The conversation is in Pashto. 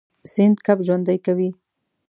سیند کب ژوندی کوي.